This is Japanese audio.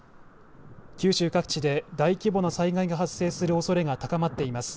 九州各地で大規模な災害が発生するおそれが高まっています。